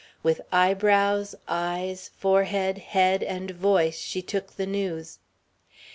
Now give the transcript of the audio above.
With eyebrows, eyes, forehead, head, and voice she took the news.